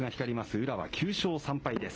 宇良は９勝３敗です。